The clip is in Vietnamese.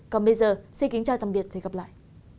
còn bây giờ xin kính chào tạm biệt và hẹn gặp lại